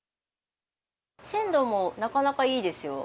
鮮度もなかなかいいですよ。